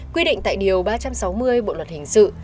quy định tại điều ba trăm sáu mươi bộ luật hình sự